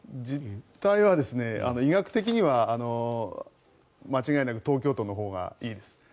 実態は医学的には間違いなく東京都のほうがいいです。